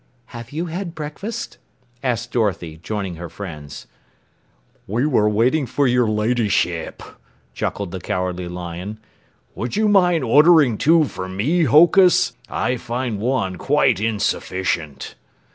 "Have you had breakfast?" asked Dorothy, joining her friends. "We were waiting for your Ladyship," chuckled the Cowardly Lion. "Would you mind ordering two for me, Hokus? I find one quite insufficient."